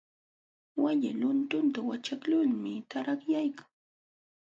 Walla luntunta waćhaqlulmi tarakyaykan.